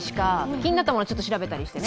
気になったものをちょっと調べたりしてね。